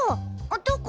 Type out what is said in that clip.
どこ？